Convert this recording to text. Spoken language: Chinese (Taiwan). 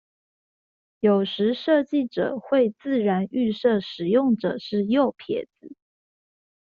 有時設計者會自然預設使用者是右撇子